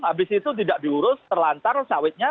habis itu tidak diurus terlantar sawitnya